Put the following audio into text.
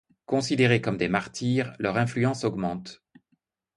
Considérés comme des martyrs, leur influence augmente.